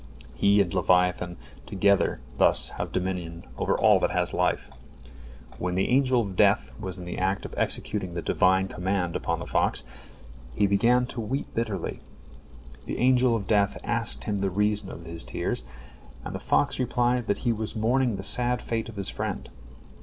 He and leviathan together thus have dominion over all that has life. When the Angel of Death was in the act of executing the Divine command upon the fox, he began to weep bitterly. The Angel of Death asked him the reason of his tears, and the fox replied that he was mourning the sad fate of his friend.